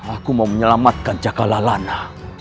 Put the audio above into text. aku mau menyelamatkan cakalalana